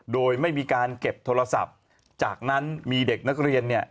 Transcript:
โดยไม่มีการเก็บโทรศัพท์จากนั้นมีเด็กนักเรียนเนี่ย